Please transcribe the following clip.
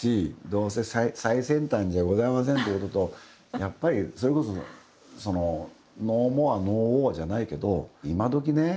どうせ最先端じゃございませんってこととやっぱりそれこそその「ＮｏＭｏｒｅＮｏＷａｒ」じゃないけど今どきね